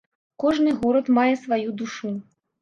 Кожны горад мае сваю душу.